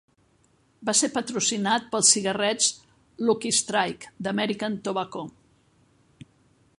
Va ser patrocinat pels cigarrets Lucky Strike d'American Tobacco.